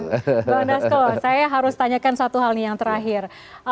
mbak nasko saya harus tanyakan satu hal nih yang terakhir